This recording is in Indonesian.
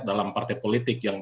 dalam partai politik yang